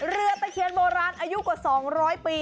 ตะเคียนโบราณอายุกว่า๒๐๐ปี